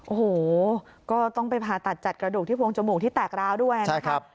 โอ้โหก็ต้องไปผ่าตัดจัดกระดูกที่พวงจมูกที่แตกร้าวด้วยนะครับ